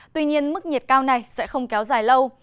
tuy nhiên mức nhiệt cao này sẽ không kéo dài lâu